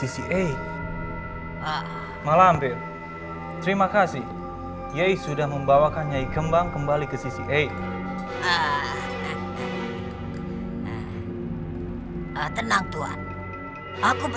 siapa yang menembak kamu